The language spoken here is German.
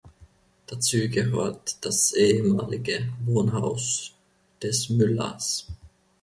Dazu gehört das ehemalige Wohnhaus des Müllers.